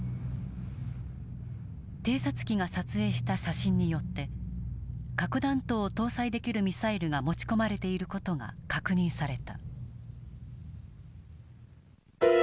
偵察機が撮影した写真によって核弾頭を搭載できるミサイルが持ち込まれている事が確認された。